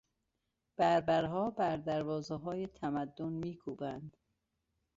بربرها بر دروازههای تمدن میکوبند.